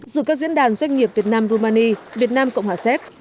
dự các diễn đàn doanh nghiệp việt nam rumani việt nam cộng hòa séc